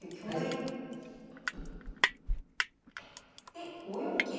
で５四桂。